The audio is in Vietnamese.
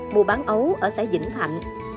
mua bán ấu ở xã vĩnh thạnh